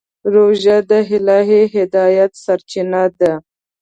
روژه د الهي هدایت سرچینه ده.